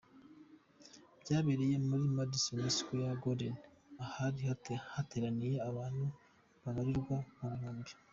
Byabereye muri Madison Square Garden ahari hateraniye abantu babarirwa mu bihumbi.